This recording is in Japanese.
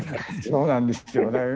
そうなんですよね。